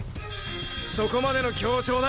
そこまでの協調だ。